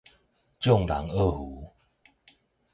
眾人僫扶